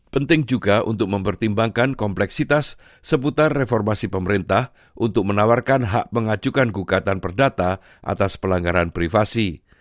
penting juga untuk mempertimbangkan kompleksitas seputar reformasi pemerintah untuk menawarkan hak mengajukan gugatan perdata atas pelanggaran privasi